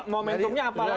tapi momentumnya apa lagi pak